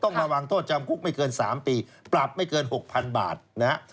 ต้องระวังโทษจำคุกไม่เกิน๓ปีปรับไม่เกิน๖๐๐๐บาทนะฮะ